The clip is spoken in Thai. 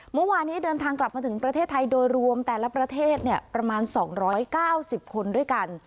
เมื่อวานนี้เดินทางกลับมาถึงประเทศไทยโดยรวมแต่ละประเทศประมาณ๒๙๐คนด้วยกัน